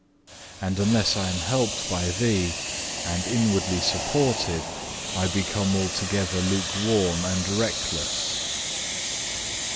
And unless I am helped by Thee and inwardly supported, I become altogether lukewarm and reckless.